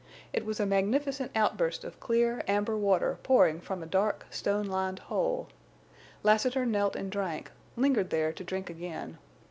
It was a magnificent outburst of clear, amber water pouring from a dark, stone lined hole. Lassiter knelt and drank, lingered there to drink again.